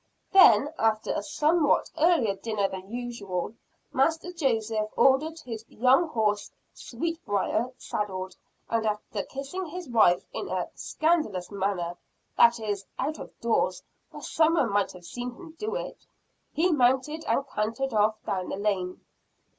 Then, after a somewhat earlier dinner than usual, Master Joseph ordered his young horse, Sweetbriar, saddled; and after kissing his wife "in a scandalous manner" that is, out of doors, where some one might have seen him do it he mounted, and cantered off down the lane.